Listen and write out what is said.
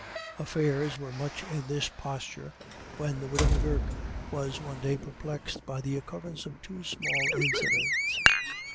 Affairs were much in this posture, when the widow M'Gurk was one day perplexed by the occurrence of two small incidents.